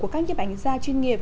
của các nhiệm ảnh gia chuyên nghiệp